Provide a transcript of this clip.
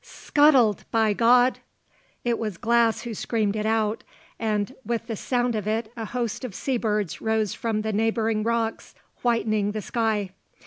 "Scuttled, by God!" It was Glass who screamed it out, and with the sound of it a host of sea birds rose from the neighbouring rocks, whitening the sky.